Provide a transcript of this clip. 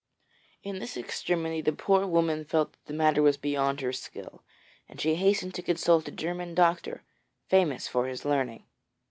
In this extremity the poor woman felt that the matter was beyond her skill, and she hastened to consult a German doctor famous for his learning.